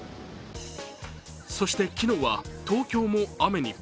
そして、昨日は東京も雨に。